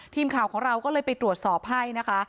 ทีมข่าวของเราก็เลยไปตรวจสอบให้นะคะ